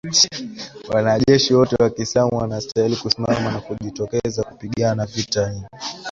wanajeshi wote wa kiislamu wanastahili kusimama na kujitokeza kupigana vita hii